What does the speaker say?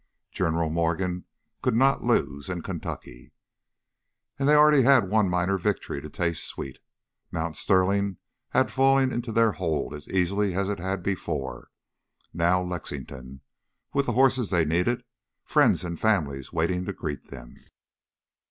General Morgan could not lose in Kentucky! And they already had one minor victory to taste sweet: Mount Sterling had fallen into their hold as easily as it had before. Now Lexington with the horses they needed friends and families waiting to greet them.